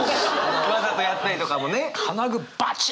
わざとやったりとかもね。